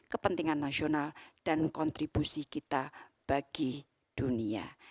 kepentingan nasional dan kontribusi kita bagi dunia